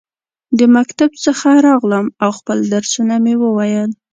د مکتب څخه راغلم ، او خپل درسونه مې وویل.